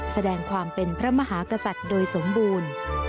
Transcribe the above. แสดงความเป็นพระมหากษัตริย์โดยสมบูรณ์